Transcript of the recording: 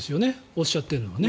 おっしゃっているのはね。